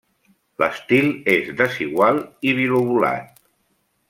L'estil és desigual i bilobulat.